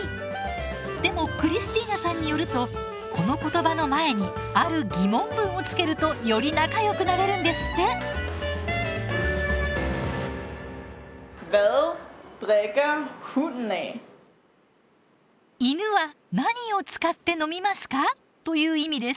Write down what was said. でもクリスティーナさんによるとこの言葉の前にある疑問文をつけるとより仲良くなれるんですって。という意味です。